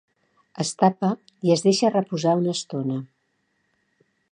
Es tapa i es deixa reposar una estona